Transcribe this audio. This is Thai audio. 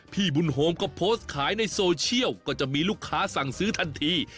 พี่บุญโฮมก็โพสต์ขายในโซเชียลก็จะมีลูกค้าสั่งซื้อทันที